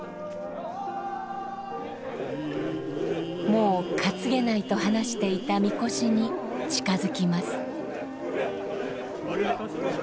もう担げないと話していた神輿に近づきます。